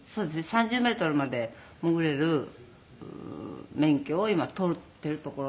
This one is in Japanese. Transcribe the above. ３０メートルまで潜れる免許を今取っているところで。